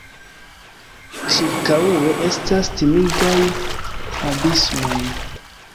Ĉirkaŭe estas timigaj abismoj.